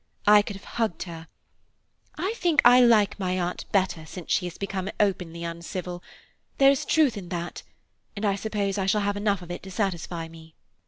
I could have hugged her. I think I like my Aunt better since she has become openly uncivil–there is truth in that, and I suppose I shall have enough of it to satisfy me."